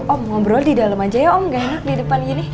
oh ngobrol di dalam aja ya om enak di depan gini